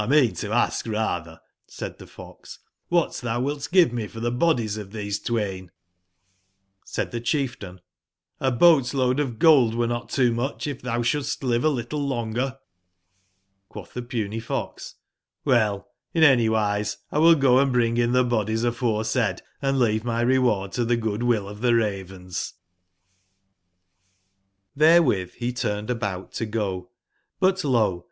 ^"l mean to ask ratber,''said tbe f ox,'' wbat tbou wilt give me for tbe bodies of tbese twain ?''jj^ Said tbe cbief tain : "H boat/load of gold werenot toomucbif tbou sbouldst live alittle long er ''j!^ Quotb tbe Puny fox: "QIell, in anywiselwill go and bring in tbe bodies aforesaid, and leave my reward to tbe goodwill of tbe Ravens/' IRBRe^XXTR be turned about to go, but lo